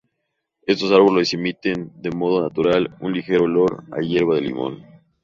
Estos árboles emiten de modo natural un ligero olor a hierba de limón.